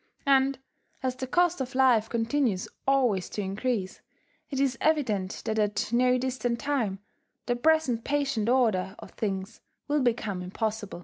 And as the cost of life continues always to increase, it is evident that at no distant time, the present patient order of things will become impossible.